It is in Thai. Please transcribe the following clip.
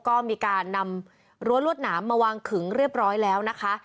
ก็มีการนำรั้วรวดหนามมาวางขึงเรียบร้อยแล้วนะคะ